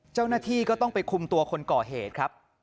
เจ้าหน้าที่ก็ต้องไปคุมตัวคนก่อเหตุครับ